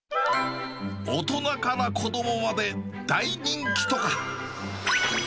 大人から子どもまで大人気とか。